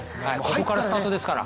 ここからスタートですから。